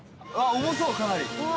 重そう、かなり！